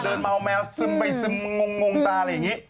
เมาแมวซึมไปซึมงตาอะไรอย่างนี้